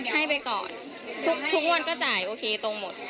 ให้ไปก่อนทุกวันก็จ่ายโอเคตรงหมด